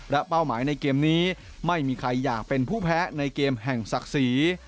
และเป้าหมายในเกมนี้ไม่มีใครอยากเป็นผู้แพ้ในเกมแห่งศักดิ์ศรี